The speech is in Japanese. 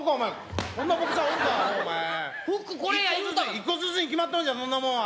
１個ずつに決まっとんじゃそんなもんは。